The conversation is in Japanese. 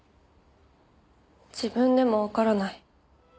自分でもわからない。